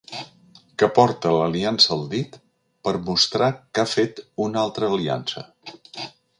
Que porta l'aliança al dit per mostrar que ha fet una altra aliança.